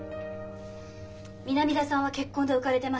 「南田さんは結婚で浮かれてます。